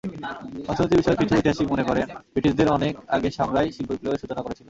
অর্থনীতিবিষয়ক কিছু ঐতিহাসিক মনে করেন, ব্রিটিশদের অনেক আগে সংরাই শিল্পবিপ্লবের সূচনা করেছিল।